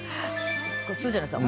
こう吸うじゃないですか。